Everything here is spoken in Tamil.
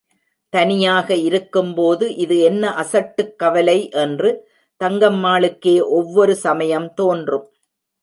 தனியாக இருக்கும்போது, இது என்ன அசட்டுக் கவலை என்று தங்கம்மாளுக்கே ஒவ்வொரு சமயம் தோன்றும்.